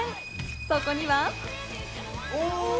そこには。